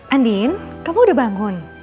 andin kamu udah bangun